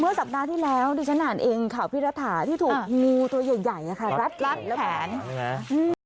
สัปดาห์ที่แล้วดิฉันอ่านเองข่าวพี่รัฐาที่ถูกงูตัวใหญ่ใหญ่อะค่ะรัดและแขน